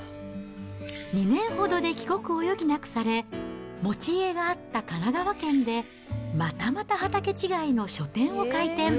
２年ほどで帰国を余儀なくされ、持ち家があった神奈川県で、またまた畑違いの書店を開店。